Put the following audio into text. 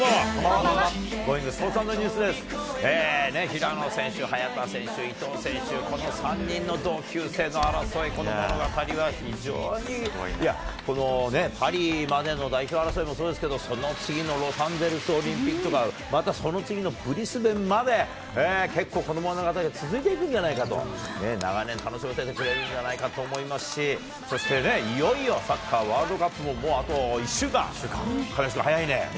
平野選手、早田選手、伊藤選手、この３人の同級生の争い、この物語は非常に、このパリまでの代表争いもそうですけど、その次のロサンゼルスオリンピックとか、またその次のブリスベンまで、結構、この物語は続いていくんじゃないかと、長年、楽しませてくれるんじゃないかと思いますし、そしてね、いよいよサッカーワールドカップももう、あと１週間、亀梨君、早いね。